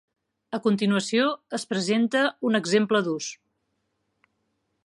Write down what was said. A continuació es presenta un exemple d'ús.